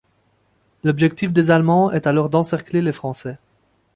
L'objectif des Allemands est alors d'encercler les Français.